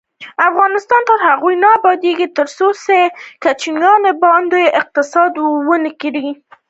افغانستان تر هغو نه ابادیږي، ترڅو د کوچنیو بانډو اقتصاد وده ونه کړي.